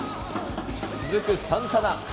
続くサンタナ。